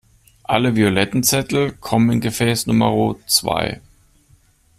Alle violetten Zettel kommen in Gefäß Numero zwei.